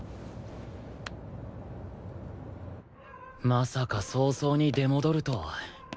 まさか早々に出戻るとは